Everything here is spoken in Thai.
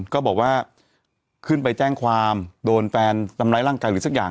ก็บอกว่าขึ้นไปแจ้งความโดนแฟนทำร้ายร่างกายหรือสักอย่าง